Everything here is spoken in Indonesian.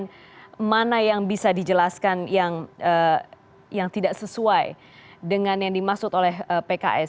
kemudian mana yang bisa dijelaskan yang tidak sesuai dengan yang dimaksud oleh pks